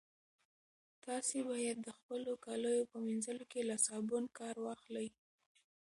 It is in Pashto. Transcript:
تاسي باید د خپلو کاليو په مینځلو کې له صابون کار واخلئ.